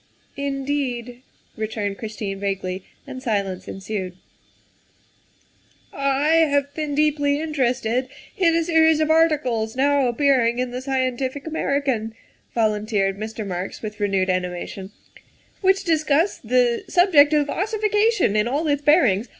''" Indeed?" returned Christine vaguely, and silence ensued. " I have been deeply interested in a series of articles now appearing in the Scientific American," volunteered Mr. Marks with renewed animation, " which discuss the subject of ossification in all its bearings.